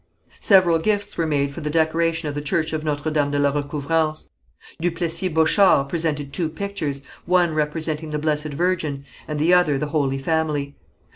Several gifts were made for the decoration of the church of Notre Dame de la Recouvrance. Duplessis Bochart presented two pictures, one representing the Blessed Virgin, and the other the Holy Family.